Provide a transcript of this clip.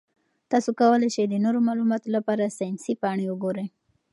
تاسو کولی شئ د نورو معلوماتو لپاره ساینسي پاڼې وګورئ.